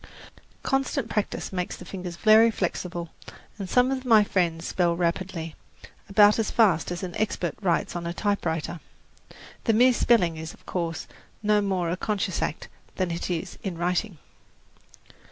Constant practice makes the fingers very flexible, and some of my friends spell rapidly about as fast as an expert writes on a typewriter. The mere spelling is, of course, no more a conscious act than it is in writing.